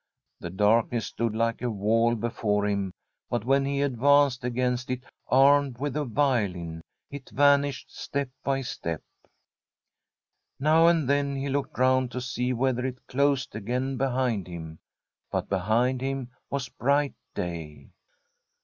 The darkness stood like a wall before him, but when he advanced against it, armed with the violin, it vanished step by step. Now and then he looked round to see whether it closed again behind him. But behind him was bright day.